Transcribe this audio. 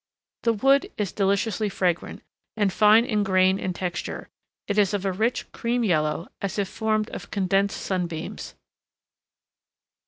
The wood is deliciously fragrant, and fine in grain and texture; it is of a rich cream yellow, as if formed of condensed sunbeams.